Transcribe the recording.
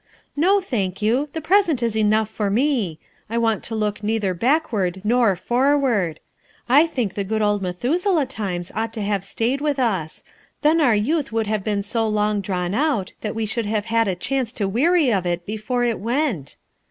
"No, thank you, the present is enough for me ; I want to look neither backward nor for ward. I think the good old Methuselah times ought to have stayed with us ; then our youth would have been so long drawn out that we should have had a chance to weary of it before it went.